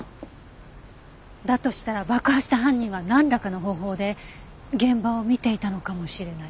だとしたら爆破した犯人はなんらかの方法で現場を見ていたのかもしれない。